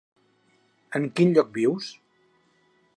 En quin lloc vius?